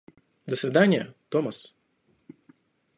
До свидания, Томас.